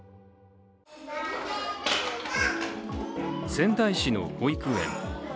仙台市の保育園。